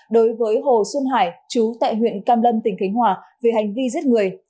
đối với hồ xuân hải chú tại huyện cam lâm tỉnh khánh hòa về hành vi giết người